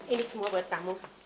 ini semua buat kamu